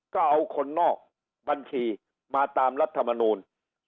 ก็เอาคนนอกบัญชีมาตามรัฐมนูล